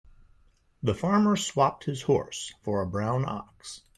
The farmer swapped his horse for a brown ox.